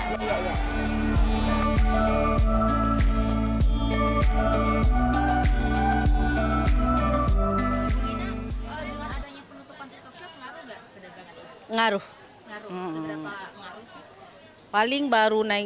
ngaruh ngaruh paling baru naik sepuluh dua puluh